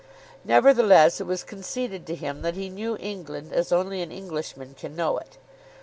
Nevertheless it was conceded to him that he knew England as only an Englishman can know it.